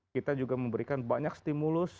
kita juga memberikan banyak stimulus